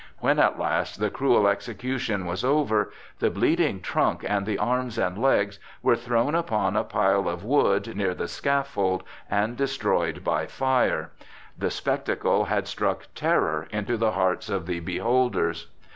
When at last the cruel execution was over, the bleeding trunk and the arms and legs were thrown upon a pile of wood near the scaffold and destroyed by fire. The spectacle had struck terror into the hearts of the beholders.